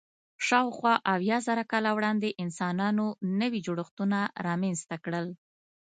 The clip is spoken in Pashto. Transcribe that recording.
شاوخوا اویا زره کاله وړاندې انسانانو نوي جوړښتونه رامنځ ته کړل.